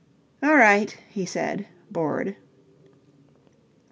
"All right," he said, bored.